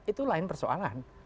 itu lain persoalan